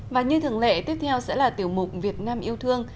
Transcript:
và như thường lệ tiếp theo sẽ là tiểu mục việt nam yêu thương